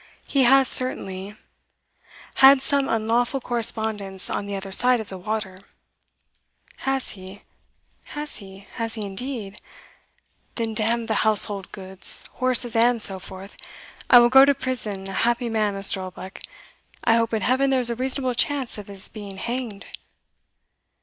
He has certainly had some unlawful correspondence on the other side of the water." "Has he? has he? has he indeed? then d n the house hold goods, horses, and so forth I will go to prison a happy man, Mr. Oldbuck. I hope in heaven there's a reasonable chance of his being hanged?"